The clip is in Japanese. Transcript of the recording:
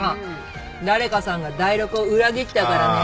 誰かさんがダイロクを裏切ったからね。